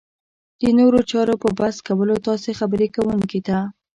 د نورو چارو په بس کولو تاسې خبرې کوونکي ته